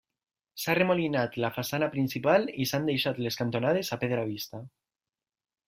S'ha remolinat la façana principal i s'han deixat les cantonades a pedra vista.